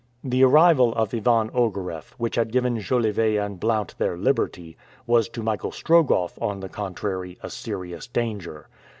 The arrival of Ivan Ogareff, which had given Jolivet and Blount their liberty, was to Michael Strogoff, on the contrary, a serious danger.